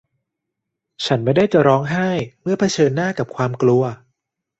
ฉันไม่ได้จะร้องไห้เมื่อเผชิญหน้ากับความกลัว